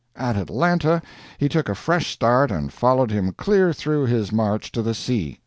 At Atlanta he took a fresh start and followed him clear through his march to the sea.